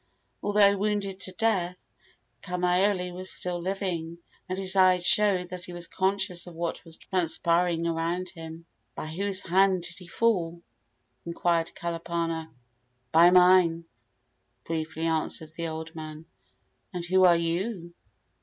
Although wounded to the death, Kamaiole was still living, and his eyes showed that he was conscious of what was transpiring around him. "By whose hand did he fall?" inquired Kalapana. "By mine," briefly answered the old man. "And who are you?"